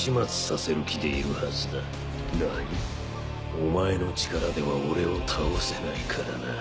お前の力では俺を倒せないからな。